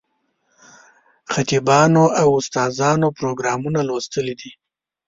خطیبانو او استادانو پروګرامونه لوستلي دي.